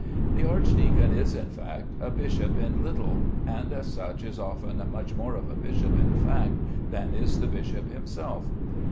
The archdeacon is, in fact, a bishop in little, and as such is often much more of a bishop in fact than is the bishop himself.